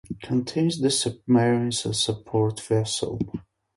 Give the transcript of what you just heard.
Contains the submarines and a support vessel.